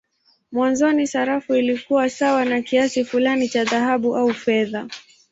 Mwanzoni sarafu ilikuwa sawa na kiasi fulani cha dhahabu au fedha.